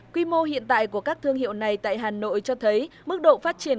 quy mô hiện tại của các thương hiệu này tại hà nội cho thấy mức độ phát triển